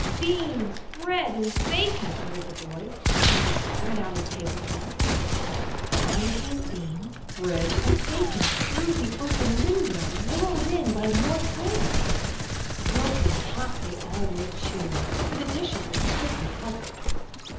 "Beans, bread and bacon," ordered the boy, as he spread out his tablecloth. On came beans, bread and bacon through the open window, whirled in by North Wind. Smoking hot they all were, too, for the dishes were tightly covered.